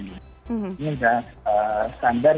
ini sudah standar ya